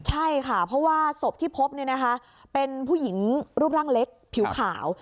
ใช่ค่ะเพราะว่าศพที่พบเป็นผู้หญิงรูปร่างเล็กผิวขาว